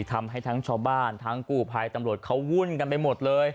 ทำให้ทั้งชาวบ้านทั้งกู้ภัยตำรวจเขาวุ่นกันไปหมดเลย